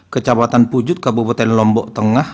kecamatan pujut kabupaten lombok tengah